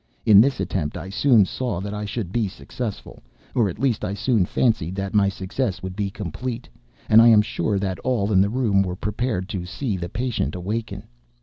In this attempt I soon saw that I should be successful—or at least I soon fancied that my success would be complete—and I am sure that all in the room were prepared to see the patient awaken.